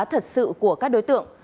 thật sự của các đối tượng